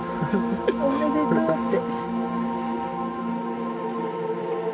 「おめでとう」って。